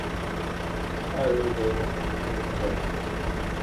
Ciro Gomes hit me in the head.